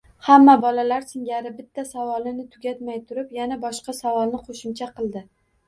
Hamma bolalar singari bitta savolini tugatmay turib, yana boshqa savolni qoʻshimcha qildi